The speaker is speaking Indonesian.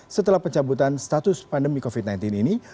setelah pencabutan status pandemi covid sembilan belas ini